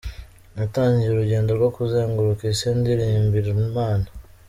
"Natangiye urugendo rwo kuzenguruka isi ndirimbira Imana.